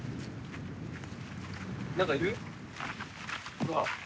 ほら。